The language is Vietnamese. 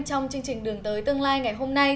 trong chương trình đường tới tương lai ngày hôm nay